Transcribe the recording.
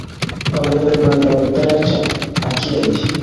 Abanyarwanda bataraca akenge